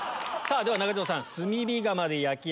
では中条さん。